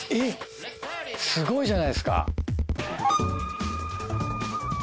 えっすごいじゃないですか。